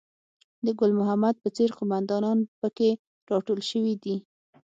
د ګل محمد په څېر قوماندانان په کې راټول شوي دي.